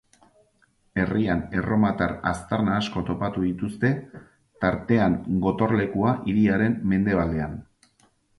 Herrian erromatar aztarna asko topatu dituzte, tartean gotorlekua hiriaren mendebaldean.